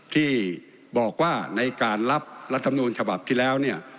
ที่บอกว่าในการรับรัฐธรรมดูลฉบับที่แล้ว